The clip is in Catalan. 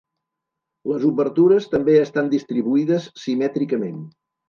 Les obertures també estan distribuïdes simètricament.